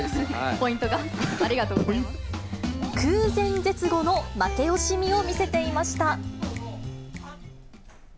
ポイントが、ありがとうござ空前絶後の負け惜しみを見せていました。